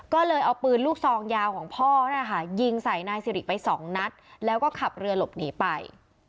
ก็เลยเอาปืนลูกซองยาวของพ่อนะคะยิงใส่นายสิริไปสองนัดแล้วก็ขับเรือหลบหนีไป